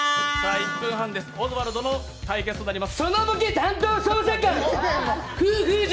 １分半です、オズワルドの対決となります。